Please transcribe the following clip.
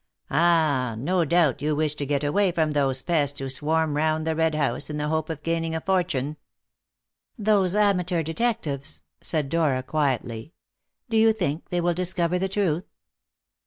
"Ah! no doubt you wish to get away from those pests who swarm round the Red House in the hope of gaining a fortune." "Those amateur detectives?" said Dora quietly; "do you think they will discover the truth?"